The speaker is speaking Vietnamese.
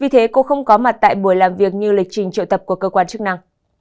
đây là lịch trình triệu tập của cơ quan chức năng